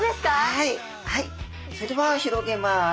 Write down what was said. はいはいそれでは広げます。